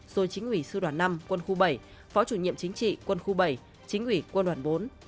rồi chính ủy sư đoàn năm quân khu bảy phó chủ nhiệm chính trị quân khu bảy chính ủy quân đoàn bốn